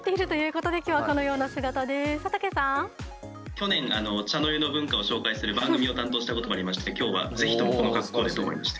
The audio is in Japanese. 去年茶の湯の文化を紹介する番組を担当したこともありまして今日は是非ともこの格好でと思いまして。